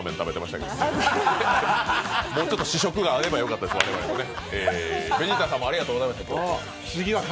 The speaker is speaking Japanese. もうちょっと試食があればよかったですね。